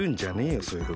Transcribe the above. そういうことはよ。